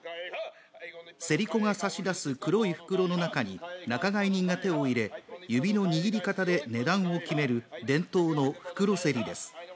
競り子が差し出す黒い袋の中に仲買人が手を入れ、指の握り方で値段を決める伝統の袋競りです。